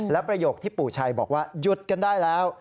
และประโยคที่ปู่ชัยบอกว่าหยุดกันได้แล้ว